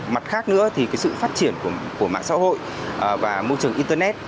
mặt khác nữa thì sự phát triển của mạng xã hội và môi trường internet